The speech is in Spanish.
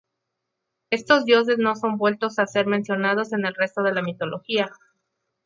Estos dioses no son vueltos a ser mencionados en el resto de la mitología.